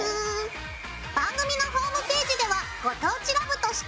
番組のホームページでは「ご当地ＬＯＶＥ」として。